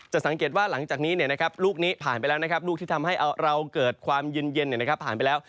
จะสังเกตว่าหลังจากนี้หลูกที่ทำให้เราเกิดความเย็นผ่านไปแล้ว